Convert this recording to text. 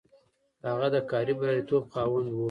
هغه د کاري برياليتوب خاوند و.